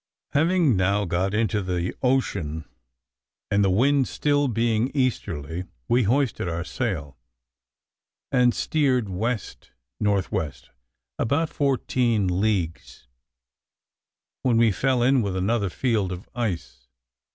Having now got into the ocean, and the wind being still easterly, we hoisted our sail, and steered west north west about fourteen leagues, when we fell in with another field of ice.